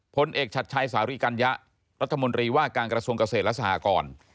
ผลเอกชัดชัยสารีกัญญะรัฐมนตรีว่าการกระทรวงเกษตรและสหกร